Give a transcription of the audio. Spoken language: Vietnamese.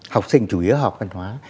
học sinh chủ yếu học văn hóa